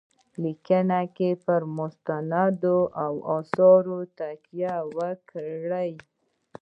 لیکلو کې پر مستندو آثارو تکیه وکړي.